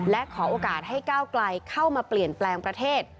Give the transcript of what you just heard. และขอโอกาสให้ก้าวไกลเข้ามาเปลี่ยนแปลงประเทศ